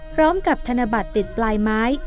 พร้อมกับธนบัตรติดปลายไม้